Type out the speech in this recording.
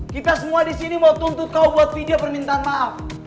kita semua di sini mau tuntut kau buat video permintaan maaf